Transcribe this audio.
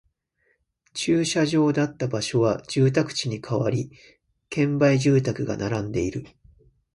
駐車場だった場所は住宅地に変わり、建売住宅が並んでいる